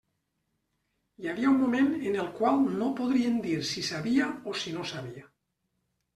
Hi havia un moment en el qual no podrien dir si sabia o si no sabia.